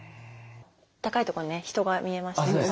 高いとこにね人が見えましたね。